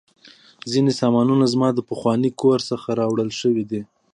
ځینې سامانونه زما د پخواني کور څخه راوړل شوي دي